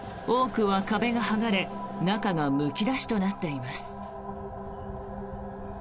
多くは壁が剥がれ中がむき出しとなっています。